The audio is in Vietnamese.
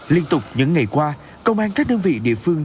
liên tục những ngày qua công an các đơn vị địa phương